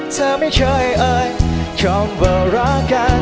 เธอไม่เคยเอ่ยเข้าบารเหลอรักกัน